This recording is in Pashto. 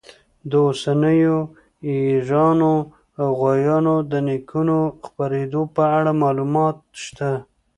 د اوسنیو ییږانو او غویانو د نیکونو د خپرېدو په اړه معلومات شته.